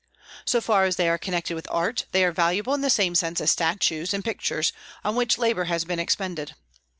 So far as they are connected with art, they are valuable in the same sense as statues and pictures, on which labor has been expended.